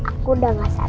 aku udah nggak sadar